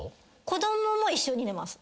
子供も一緒に寝ます